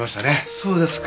そうですか。